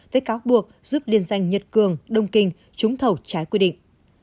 với cáo buộc giúp liên danh nhật cường đông kinh trúng thầu trái quy định